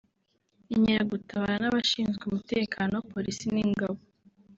Inkeragutabara n’abashinzwe umutekano (polisi n’ingabo)